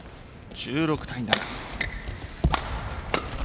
１６対７。